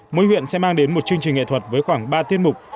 mỗi huyện sẽ mang đến một chương trình nghệ thuật với khoảng ba tiết mục